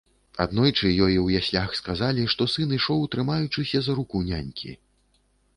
Аднойчы ёй у яслях сказалі, што сын ішоў, трымаючыся за руку нянькі.